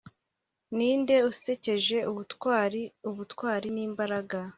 ninde usekeje, ubutwari, ubutwari, nimbaraga